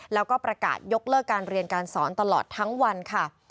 แล้วก็ประกาศยกเลิกการเรียนการสอนตลอดทั้งวันค่ะ